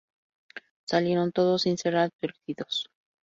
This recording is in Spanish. Salieron todos sin ser advertidos.